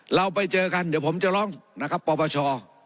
เราไปเจอกันเดี๋ยวผมจะลองนะครับประวัติศาสตร์